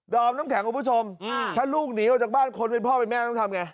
อมน้ำแข็งคุณผู้ชมถ้าลูกหนีออกจากบ้านคนเป็นพ่อเป็นแม่ต้องทำไง